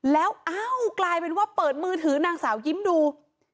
แล้วอ้าวกลายเป็นว่าเปิดมือถือนางสาวยิ้มดู